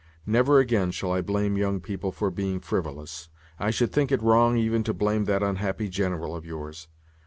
Never again shall I blame young people for being frivolous. I should think it wrong even to blame that unhappy General of yours.